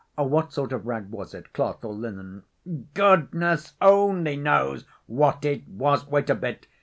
What sort of rag was it, cloth or linen?" "Goodness only knows what it was. Wait a bit....